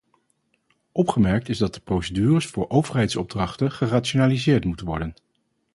Opgemerkt is dat de procedures voor overheidsopdrachten gerationaliseerd moeten worden.